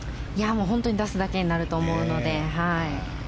本当に出すだけになると思うので。